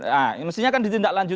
nah ini mestinya kan ditindak lanjuti